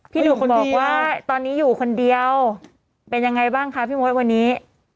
หนุ่มบอกว่าตอนนี้อยู่คนเดียวเป็นยังไงบ้างคะพี่มดวันนี้